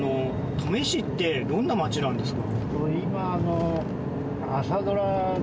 登米市ってどんな街なんですか？